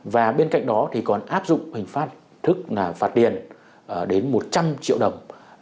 và bên cạnh đó thì còn áp dụng hình phạt tức là phạt tiền đến một trăm linh triệu đồng